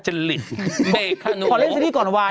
มันเหมือนอ่ะ